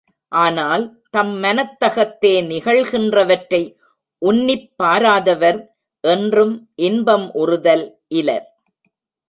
ஆனால் தம் மனத்தகத்தே நிகழ்கின்றவற்றை உன்னிப் பாராதவர் என்றும் இன்பம் உறுதல் இலர்.